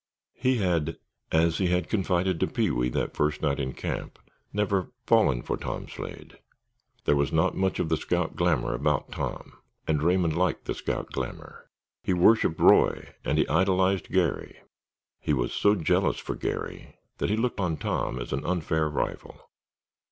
He had (as he had confided to Pee wee that first night in camp) never "fallen for" Tom Slade. There was not much of the scout glamor about Tom and Raymond liked the scout glamor. He worshipped Roy and he idolized Garry. He was so jealous for Garry that he looked on Tom as an unfair rival.